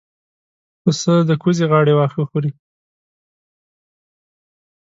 پسه د کوزې غاړې واښه خوري.